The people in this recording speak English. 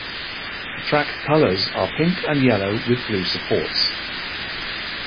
The track colors are pink and yellow, with blue supports.